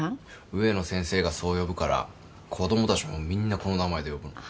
植野先生がそう呼ぶから子供たちもみんなこの名前で呼ぶんだ。